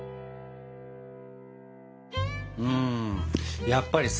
うんやっぱりさ